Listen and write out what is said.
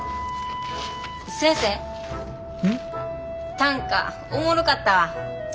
短歌おもろかったわ。